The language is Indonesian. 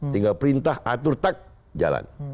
tinggal perintah atur tak jalan